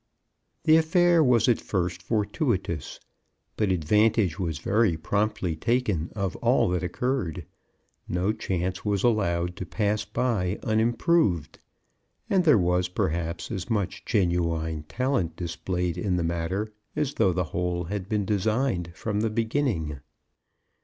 The affair was at first fortuitous, but advantage was very promptly taken of all that occurred; no chance was allowed to pass by unimproved; and there was, perhaps, as much genuine talent displayed in the matter as though the whole had been designed from the beginning.